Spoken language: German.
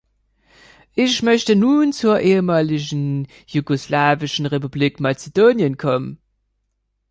Ich möchte nun zur ehemaligen jugoslawischen Republik Mazedonien kommen.